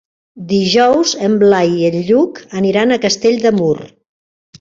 Dijous en Blai i en Lluc aniran a Castell de Mur.